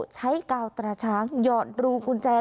ใช้กาวตระช้างหยอดดูกุญแจ